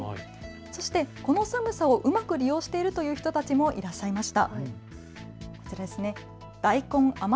そしてこの寒さをうまく利用しているという人たちもいました。